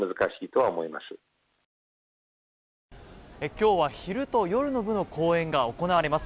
今日は昼と夜の部の公演が行われます。